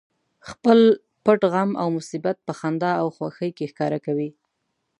خپل پټ غم او مصیبت په خندا او خوښۍ کې ښکاره کوي